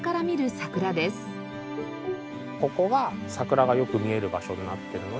ここが桜がよく見える場所になっているので。